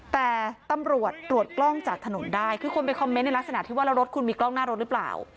แต่ตำรวจตรวจกล้องจากถนนได้คือคนไปคอมเมนต์ในลักษณะที่ว่าแล้วรถคุณมีกล้องหน้ารถหรือเปล่า